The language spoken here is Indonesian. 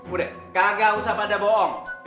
udah kagak usah pada bohong